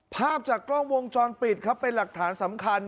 ภาพจากกล้องวงจรปิดครับเป็นหลักฐานสำคัญ